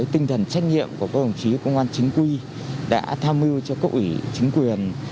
tinh thần trách nhiệm của các đồng chí công an chính quy đã tham mưu cho cấp ủy chính quyền